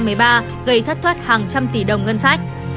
gây thất thoát hàng trăm tỷ đồng ngân sách